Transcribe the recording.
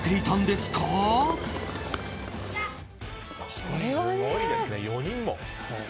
すごいですね、４人も。